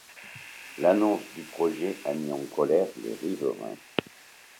L'annonce du projet a mis en colère les riverains.